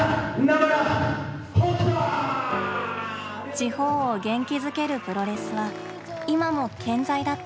地方を元気づけるプロレスは今も健在だった。